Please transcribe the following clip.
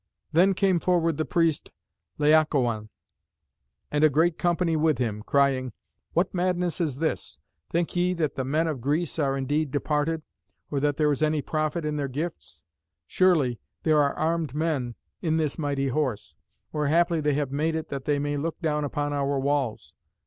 Then came forward the priest Laocoön, and a great company with him, crying, "What madness is this? Think ye that the men of Greece are indeed departed, or that there is any profit in their gifts? Surely, there are armed men in this mighty Horse; or haply they have made it that they may look down upon our walls.